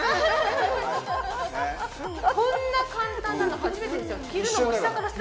こんな簡単なの初めてですよ。